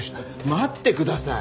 待ってください！